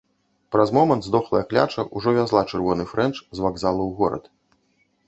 Праз момант здохлая кляча ўжо вязла чырвоны фрэнч з вакзалу ў горад.